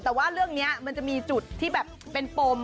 แต่ว่าเรื่องนี้มันจะมีจุดที่แบบเป็นปม